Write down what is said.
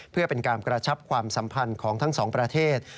เพื่อเป็นการกระชับความสัมพันธ์ของทั้งสองประเทศ